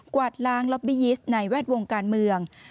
วาดล้างล็อบบี้ยิสต์ในแวดวงการเมือง